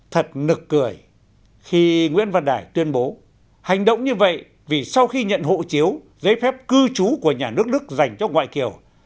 thật nực cười khi nguyễn văn đài tuyên bố hành động như vậy vì sau khi nhận hộ chiếu giấy phép cư trú của nhà nước đức dành cho ngoại kiều